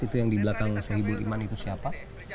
itu yang di belakang sohibul iman itu siapa